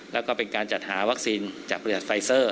แล้วก็เป็นการจัดหาวัคซีนจากบริษัทไฟเซอร์